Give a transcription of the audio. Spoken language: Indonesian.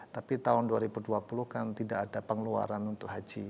tapi tahun dua ribu dua puluh kan tidak ada pengeluaran untuk haji